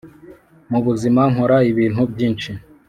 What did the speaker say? mu buzima nkora ibintu byinshi,